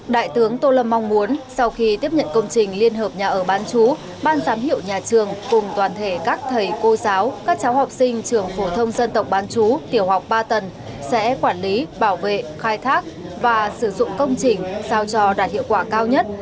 đại tướng tô lâm mong muốn sau khi tiếp nhận công trình liên hợp nhà ở bán chú ban giám hiệu nhà trường cùng toàn thể các thầy cô giáo các cháu học sinh trường phổ thông dân tộc bán chú tiểu học ba tầng sẽ quản lý bảo vệ khai thác và sử dụng công trình sao cho đạt hiệu quả cao nhất